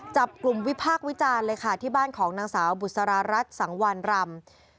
จับกลุ่มวิพากษ์วิจารณ์เลยค่ะที่บ้านของนางสาวบุษรารัฐสังวรรณรำ